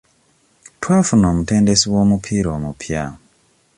Twafuna omutendesi w'omupiira omupya.